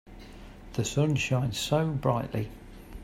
The sun shines so brightly.